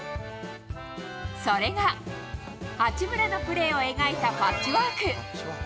それが、八村のプレーを描いたパッチワーク。